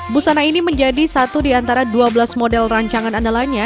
busana ini menjadi satu di antara dua belas model rancangan andalanya